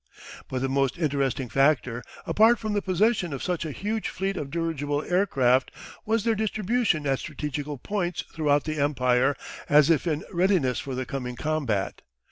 But the most interesting factor, apart from the possession of such a huge fleet of dirigible air craft, was their distribution at strategical points throughout the Empire as if in readiness for the coming combat.